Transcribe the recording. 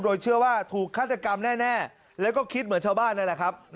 โดยเชื่อว่าถูกฆาตกรรมแน่แล้วก็คิดเหมือนชาวบ้านนั่นแหละครับ